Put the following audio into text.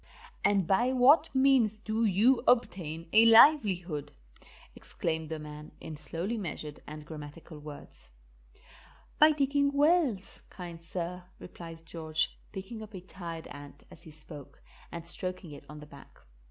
"And by what means do you obtain a livelihood?" exclaimed the man, in slowly measured and grammatical words. "By digging wells, kind sir," replied George, picking up a tired ant as he spoke and stroking it on the back.